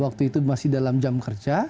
waktu itu masih dalam jam kerja